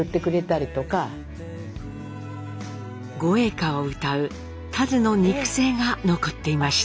御詠歌をうたうたづの肉声が残っていました。